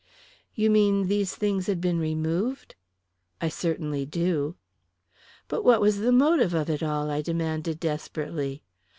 "You mean these things had been removed?" "I certainly do." "But what was the motive of it all?" I demanded desperately.